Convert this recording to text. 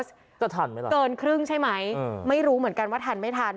จะทันไหมล่ะเกินครึ่งใช่ไหมไม่รู้เหมือนกันว่าทันไม่ทัน